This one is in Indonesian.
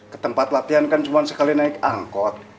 ketempat latihan kan cuma sekali naik angkot